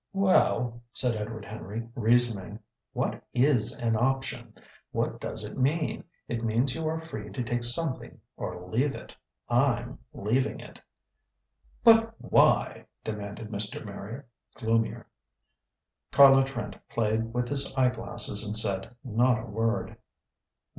"Well," said Edward Henry, reasoning. "What is an option? What does it mean? It means you are free to take something or leave it. I'm leaving it." "But why?" demanded Mr. Marrier, gloomier. Carlo Trent played with his eye glasses and said not a word.